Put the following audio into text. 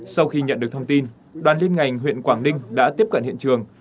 sau khi nhận được thông tin đoàn liên ngành huyện quảng ninh đã tiếp cận hiện trường